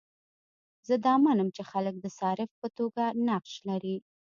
زه دا منم چې خلک د صارف په توګه نقش لري.